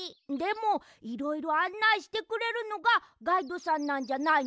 でもいろいろあんないしてくれるのがガイドさんなんじゃないの？